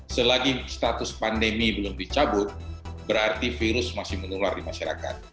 selagi status pandemi belum dicabut berarti virus masih menular di masyarakat